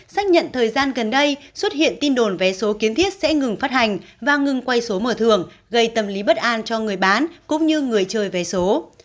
xác nhận thời gian gần đây xuất hiện tin đồn vé số kiến thiết sẽ ngừng phát hành và ngừng quay số mở thường gây tâm lý bất an cho người bán cũng như người chơi vé số